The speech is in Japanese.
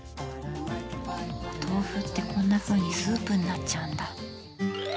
お豆腐って、こんなふうにスープになっちゃうんだ。